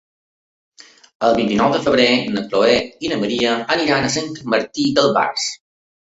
El vint-i-nou de febrer na Chloé i na Maria iran a Sant Martí d'Albars.